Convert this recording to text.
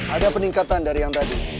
ada peningkatan dari yang tadi